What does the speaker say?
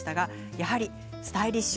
やはり、スタイリッシュ。